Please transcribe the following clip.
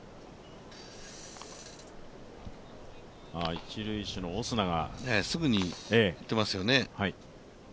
一塁手のオスナがすぐにいってますよね。